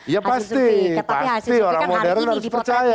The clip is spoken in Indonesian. ya pasti pasti orang modern harus percaya